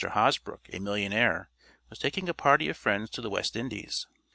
Hosbrook, a millionaire, was taking a party of friends to the West Indies.